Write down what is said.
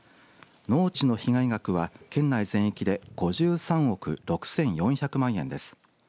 農地の被害額は、県内全域で５３億６４００万円です。